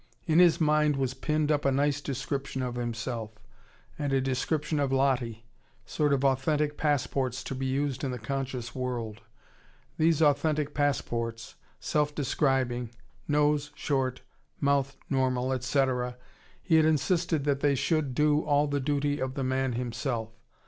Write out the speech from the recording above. In his mind was pinned up a nice description of himself, and a description of Lottie, sort of authentic passports to be used in the conscious world. These authentic passports, self describing: nose short, mouth normal, etc.; he had insisted that they should do all the duty of the man himself.